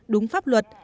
đúng pháp luật